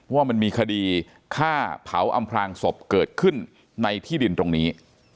ว่ามันมีคดีฆ่าเผาอำพลางศพเกิดขึ้นในที่ดินตรงนี้